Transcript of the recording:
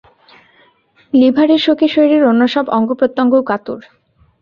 লিভারের শোকে শরীরের অন্যসব অঙ্গপ্রত্যঙ্গও কাতর।